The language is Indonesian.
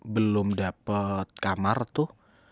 belum dapet kamar tuh